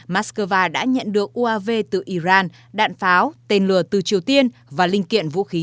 moscow đã nhận được uav từ iran đạn pháo tên lửa từ triều tiên và linh kiện vũ khí